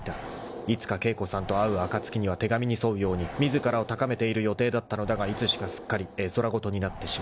［いつか景子さんと会う暁には手紙に沿うように自らを高めている予定だったのだがいつしかすっかり絵空事になってしまっていた］